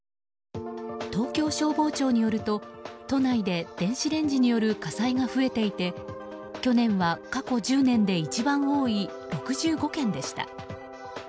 東京消防庁によると都内で電子レンジによる火災が増えていて去年は過去１０年で一番多い６５件でした。